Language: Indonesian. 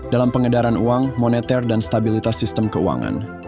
dalam pengedaran uang moneter dan stabilitas sistem keuangan